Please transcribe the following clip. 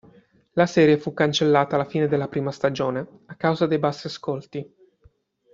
La serie fu cancellata alla fine della prima stagione a causa dei bassi ascolti.